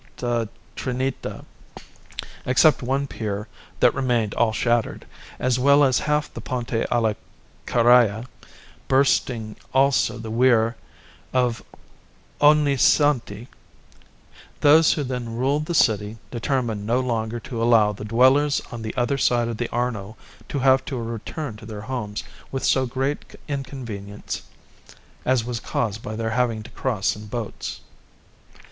Trinita except one pier that remained all shattered, as well as half the Ponte alla Carraia, bursting also the weir of Ognissanti, those who then ruled the city determined no longer to allow the dwellers on the other side of the Arno to have to return to their homes with so great inconvenience as was caused by their having to cross in boats.